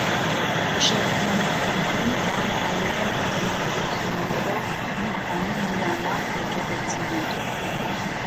Հուշարձանախմբում կան հայերեն արձանագրություններով մի քանի միանավ եկեղեցիներ։